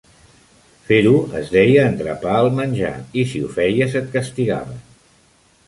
Fer-ho es deia "endrapar" el menjar i si ho feies et castigaven.